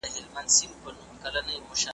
نه مي څوک لمبې ته ګوري نه د چا مي خواته پام دی .